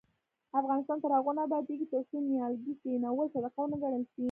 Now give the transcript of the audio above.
افغانستان تر هغو نه ابادیږي، ترڅو نیالګي کښینول صدقه ونه ګڼل شي.